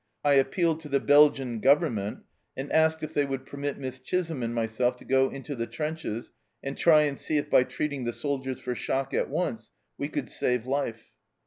I appealed to the Belgian Government, and asked if they would permit Miss Chisholm and myself to go into the trenches and try and see if, by treating the soldiers for shock at once, we could save life.